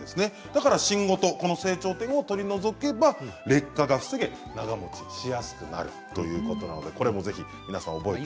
だから芯ごとこの生長点を取り除けば劣化が防げ長もちしやすくなるということなのでこれも是非皆さん覚えて。